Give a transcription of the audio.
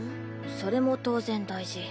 それも当然大事。